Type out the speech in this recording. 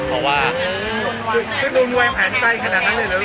เพราะว่าคือโดนไหวแผนใจขนาดนั้นเลยหรือเปล่า